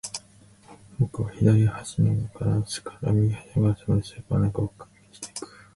僕は左端のガラスから右端のガラスまで、スーパーの中を確認していく